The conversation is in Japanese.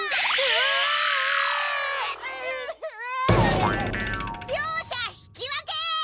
ああ。両者引き分け！